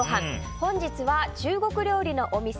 本日は中国料理のお店